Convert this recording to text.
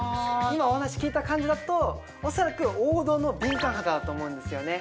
今お話聞いた感じだと恐らく王道の敏感肌だと思うんですよね